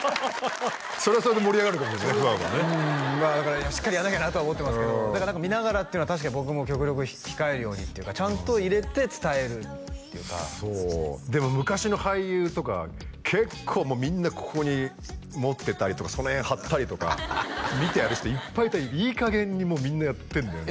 それはそれで盛り上がるかもねファンはねだからしっかりやんなきゃなとは思ってますけど見ながらっていうのは確かに僕も極力控えるようにっていうかちゃんと入れて伝えるっていうかそうでも昔の俳優とか結構みんなここに持ってたりとかその辺貼ったりとか見てやる人いっぱいいたいい加減にもうみんなやってんだよね